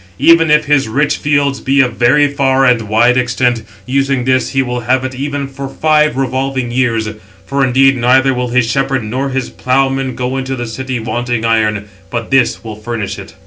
Even if his rich fields be of very far and wide extent, using this he will have it even for five revolving years; for indeed neither will his shepherd nor his ploughman go into the city wanting iron, but [this] will furnish it."